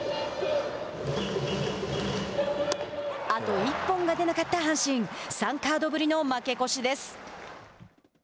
あと１本が出なかった阪神３カードぶりの負け越しです。